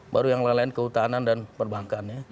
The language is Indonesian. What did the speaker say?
baru yang lain lain kehutanan dan perbankan ya